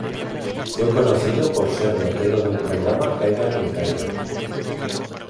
Fue conocido por ser notero del programa "Caiga quien caiga".